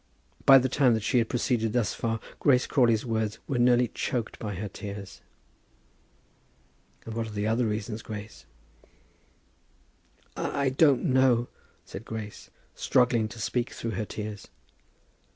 By the time that she had proceeded thus far, Grace Crawley's words were nearly choked by her tears. "And what are the other reasons, Grace?" "I don't know," said Grace, struggling to speak through her tears.